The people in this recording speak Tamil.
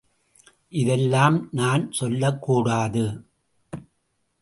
இதெல்லாம் நான் சொல்லக்கூடாது.